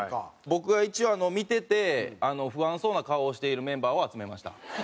僕が一応見てて不安そうな顔をしているメンバーを集めました。